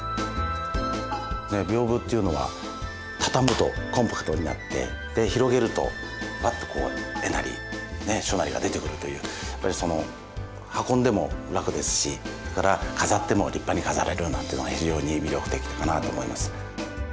屏風っていうのは畳むとコンパクトになって広げるとパッとこう絵なり書なりが出てくるというやっぱり運んでも楽ですしそれから飾っても立派に飾れるなんていうのが非常に魅力的かなと思います。